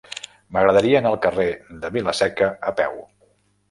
M'agradaria anar al carrer de Vila-seca a peu.